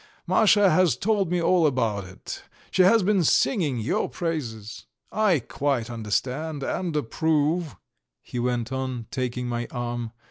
Masha has told me all about it; she has been singing your praises. I quite understand and approve," he went on, taking my arm.